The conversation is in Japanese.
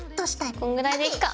こんぐらいでいっか？